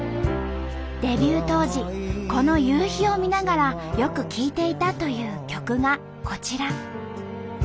デビュー当時この夕日を見ながらよく聴いていたという曲がこちら。